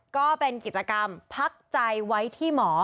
ก็เป็นกิจกรรมพักใจไว้ที่หมอ